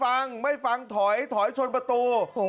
พี่ชายขับมั้งอายุซัก๓๐ได้จอดนะครับแล้วก็กลับรถตรงหน้าบ้าน